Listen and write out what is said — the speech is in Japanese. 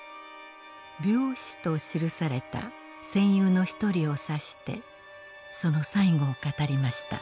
病死と記された戦友の一人を指してその最期を語りました。